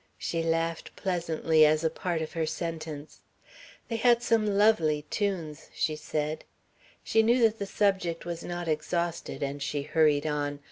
She laughed pleasantly as a part of her sentence. "They had some lovely tunes," she said. She knew that the subject was not exhausted and she hurried on.